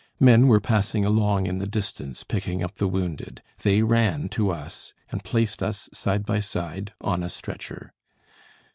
Men were passing along in the distance picking up the wounded; they ran to us and placed us side by side on a stretcher.